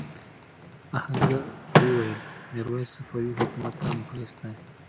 آهنګر وویل میرويس صفوي حکومت ته مخلص دی.